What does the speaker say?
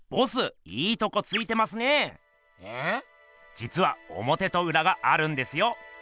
じつはおもてとうらがあるんですよ。